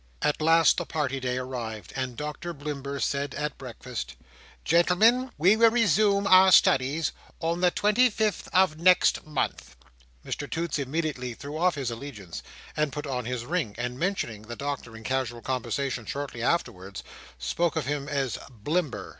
At last the party day arrived; and Doctor Blimber said at breakfast, "Gentlemen, we will resume our studies on the twenty fifth of next month." Mr Toots immediately threw off his allegiance, and put on his ring: and mentioning the Doctor in casual conversation shortly afterwards, spoke of him as "Blimber"!